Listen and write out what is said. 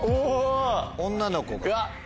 女の子が。